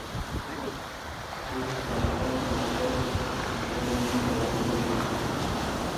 আকৌ তহঁতৰ লগতে ভাই-ভনীৰ দৰে ফুৰিম।